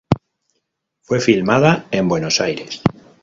Fue filmada en Buenos Aires.